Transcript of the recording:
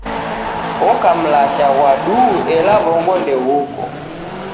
Oka mlacha ghwa duu ela wongo nde ghuko.